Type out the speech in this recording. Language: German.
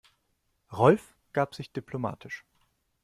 Rolf gab sich diplomatisch.